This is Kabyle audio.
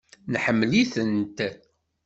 Neḥemmel-itent.